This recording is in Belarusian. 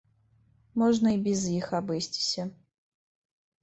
Можна і без іх абысціся.